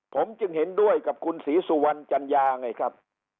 ผมจึงเห็นด้วยกับคุณศรีสุวรรณจัญญาไงครับ